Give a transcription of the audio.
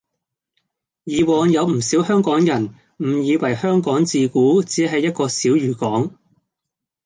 以往有唔少香港人誤以為香港自古只係一個小漁港